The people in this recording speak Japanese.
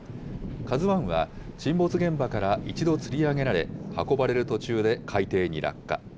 ＫＡＺＵＩは沈没現場から一度つり上げられ、運ばれる途中で海底に落下。